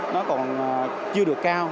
nó còn chưa được cao